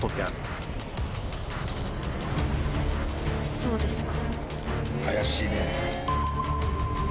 そうですか。